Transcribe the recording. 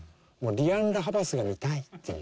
リアン・ラ・ハヴァスが見たいっていう。